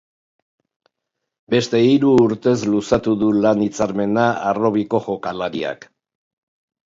Beste hiru urtez luzatu du lan hitzarmena harrobiko jokalariak.